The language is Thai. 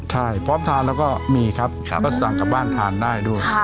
ใช่พร้อมทานแล้วก็มีครับก็สั่งกลับบ้านทานได้ด้วย